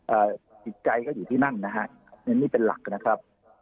จิตใจก็อยู่ที่นั่นนะฮะนี่เป็นหลักนะครับ